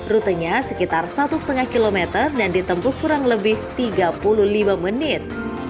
rutenya sekitar satu lima km dan ditempuh kurang lebih tiga puluh lima menit